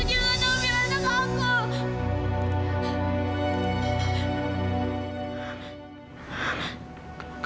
jangan ambil anak aku jangan ambil anak aku